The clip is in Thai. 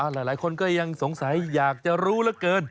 หลายคนก็ยังสงสัยอยากจะรู้เหลือเกิน